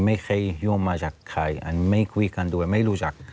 ไม่เคยโยงมาจากใครอันไม่คุยกันโดยไม่รู้จัก